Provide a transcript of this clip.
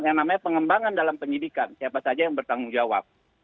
jadi yang namanya pengembangan dalam pendidikan siapa saja yang bertanggung jawab